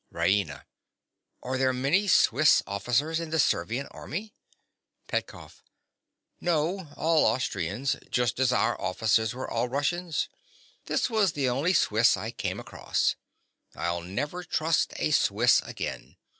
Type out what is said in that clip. RAINA. Are there many Swiss officers in the Servian Army? PETKOFF. No—all Austrians, just as our officers were all Russians. This was the only Swiss I came across. I'll never trust a Swiss again.